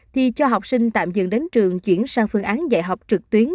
thì cho học sinh tạm dừng đến trường chuyển sang phương án dạy học trực tuyến